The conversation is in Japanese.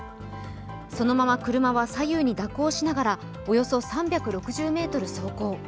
そのまま車は左右に蛇行しながらおよそ３６０ｍ走行。